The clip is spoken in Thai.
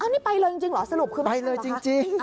นี่ไปเลยจริงเหรอสรุปคือไปเลยจริง